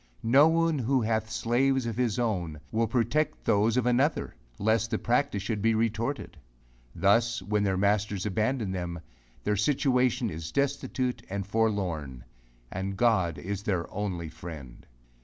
No one who hath slaves of his own, will protect those of another, less the practice should be retorted. Thus when their masters abandon them, their situation is destitute and forlorn, and God is their only friend!